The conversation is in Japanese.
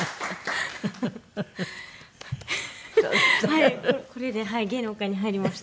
はいこれで芸能界に入りました。